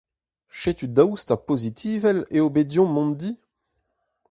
Setu daoust ha pozitivel eo bet deomp mont di ?